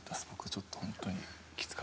ちょっと本当にきつかったです。